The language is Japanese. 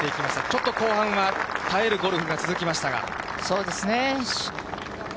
ちょっと後半は耐えるゴルフが続きましたが。